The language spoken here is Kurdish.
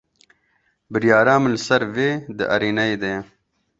Biryara min li ser vê di erênayê de ye.